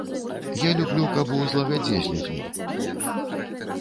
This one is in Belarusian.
Я люблю, каб у злагадзе з людзьмі.